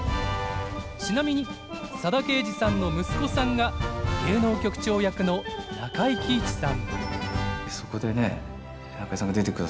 ちなみに佐田啓二さんの息子さんが芸能局長役の中井貴一さん。